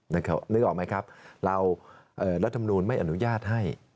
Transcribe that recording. นึกออกไหมครับรัฐธรรมนุนไม่อนุญาตให้